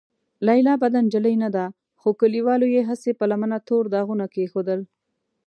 لیلا بده نجلۍ نه ده، خو کليوالو یې هسې په لمنه تور داغونه کېښودل.